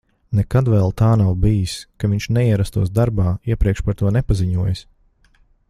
Nekad vēl tā nav bijis, ka viņš neierastos darbā, iepriekš par to nepaziņojis.